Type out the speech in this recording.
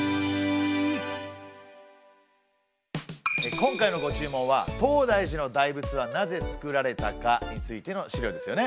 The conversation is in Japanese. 今回のご注文は「東大寺の大仏はなぜ造られたか？」についての資料ですよね。